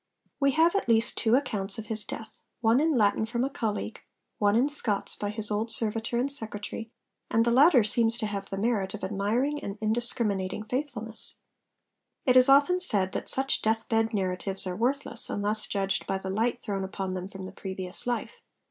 We have at least two accounts of his death one in Latin from a colleague, one in Scots by his old servitor and secretary; and the latter seems to have the merit of admiring and indiscriminating faithfulness. It is often said that such death bed narratives are worthless, unless judged by the light thrown upon them from the previous life.